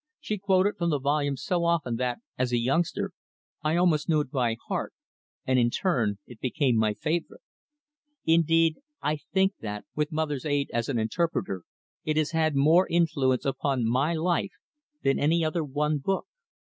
She quoted from the volume so often that, as a youngster, I almost knew it by heart, and, in turn, it became my favorite. Indeed, I think that, with mother's aid as an interpreter, it has had more influence upon my life than any other one book.